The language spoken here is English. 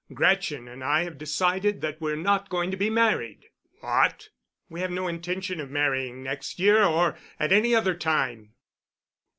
Gretchen and I have decided that we're not going to be married." "What?" "We have no intention of marrying next year or at any other time."